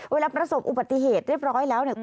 ประสบอุบัติเหตุเรียบร้อยแล้วเนี่ย